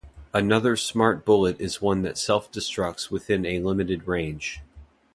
Another smart bullet is one that self-destructs within a limited range.